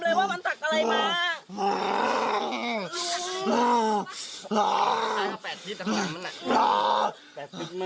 หนูก็ไม่รู้หนูไม่ได้ถามมา